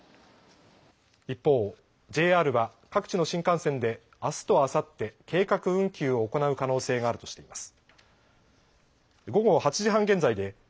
一方、ＪＲは各地の新幹線であすとあさって、計画運休を行う可能性があるとしています。